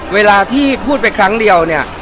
เวลาที่พูดไปครั้งเดียวเนี่ย